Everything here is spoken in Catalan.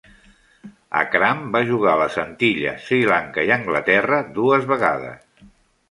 Akram va jugar a les Antilles, Sri Lanka i Anglaterra dues vegades.